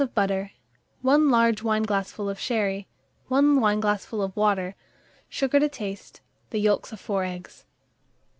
of butter, 1 large wineglassful of sherry, 1 wineglassful of water, sugar to taste, the yolks of 4 eggs.